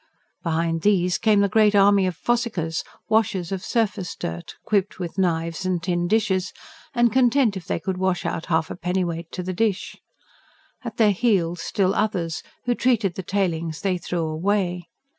Behind these came the great army of fossickers, washers of surface dirt, equipped with knives and tin dishes, and content if they could wash out half a pennyweight to the dish. At their heels still others, who treated the tailings they threw away.